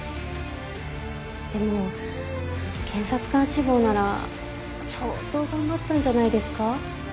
でも検察官志望なら相当頑張ったんじゃないですか？